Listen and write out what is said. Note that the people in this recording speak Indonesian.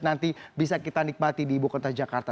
nanti bisa kita nikmati di ibu kota jakarta